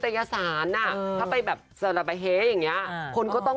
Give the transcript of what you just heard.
คือด่าบอกว่าเรามีอะไรก็คนในการพิทัฒน์